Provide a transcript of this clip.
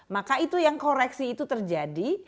maka itu yang koreksi itu terjadi